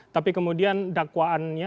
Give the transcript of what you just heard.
tapi kemudian dakwaannya